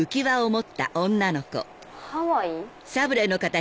ハワイ？